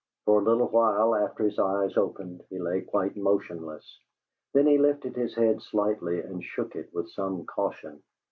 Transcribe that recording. For a little while after his eyes opened, he lay quite motionless; then he lifted his head slightly and shook it with some caution.